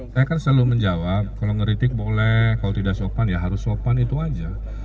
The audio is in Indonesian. saya kan selalu menjawab kalau ngeritik boleh kalau tidak sopan ya harus sopan itu aja